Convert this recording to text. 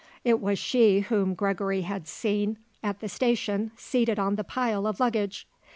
It was she whom Gregory had seen at the station, seated on the pile of luggage.